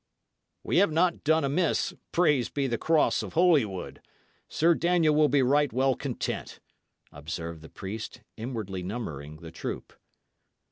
"We have not done amiss, praised be the cross of Holywood! Sir Daniel will be right well content," observed the priest, inwardly numbering the troop.